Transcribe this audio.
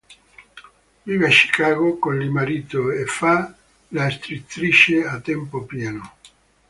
Vive a Chicago con il marito e fa la scrittrice a tempo pieno.